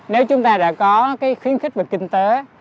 nếu chúng ta đã có cái khuyến khích về kinh tế